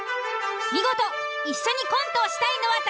見事一緒にコントしたいのは誰？